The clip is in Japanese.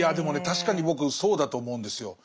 確かに僕そうだと思うんですよ。